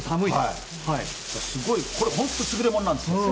これ、本当にすぐれものなんです。